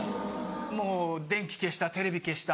もう電気消したテレビ消した。